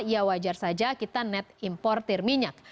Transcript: ya wajar saja kita net importer minyak